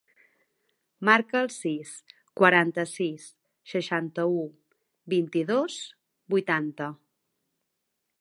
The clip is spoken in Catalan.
Marca el sis, quaranta-sis, seixanta-u, vint-i-dos, vuitanta.